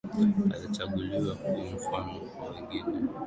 Alichaguliwa kuwa mfano kwa wengine